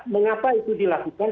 mengapa itu dilakukan